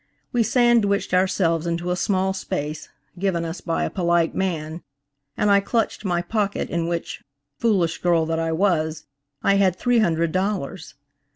We sandwiched ourselves into a small space, given us by a polite man, and I clutched my pocket in which–foolish girl that I was–I had three hundred dollars.